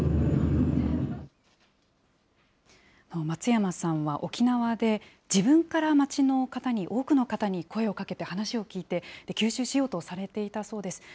松山さんは沖縄で、自分から街の方に、多くの方に声をかけて、話を聞いて、吸収しようとされていたそうです。